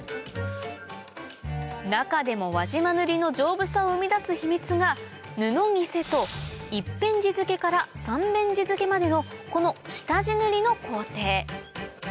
中でも輪島塗の丈夫さを生み出す秘密が布着せと一辺地付けから三辺地付けまでのこの下地塗りの工程